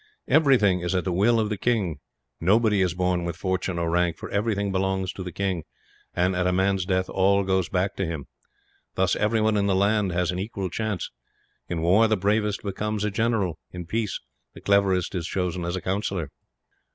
"Everything is at the will of the king. Nobody is born with fortune or rank, for everything belongs to the king and, at a man's death, all goes back to him. Thus everyone in the land has an equal chance. In war the bravest becomes a general, in peace the cleverest is chosen as a councillor."